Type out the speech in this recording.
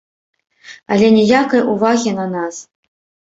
Але ніякай увагі на нас.